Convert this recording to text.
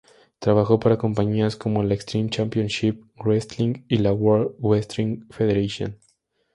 Trabajó para compañías como la Extreme Championship Wrestling y la World Wrestling Federation.